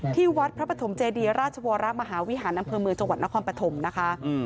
ที่วัดพระปฐมเจดีราชวรมหาวิหารอำเภอเมืองจังหวัดนครปฐมนะคะ